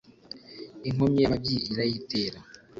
Inkomyi y’amabyi irayitera.